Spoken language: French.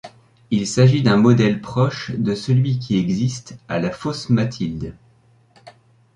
Il s'agit d'un modèle proche de celui qui existe à la fosse Mathilde.